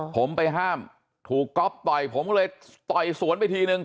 ผมไปห้ามถูกก๊อฟต่อยผมก็เลยต่อยสวนไปทีนึง